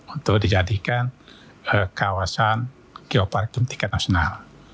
untuk dijadikan kawasan geopark kementerian nasional